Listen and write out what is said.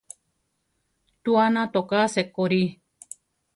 Tuána toká sekorí.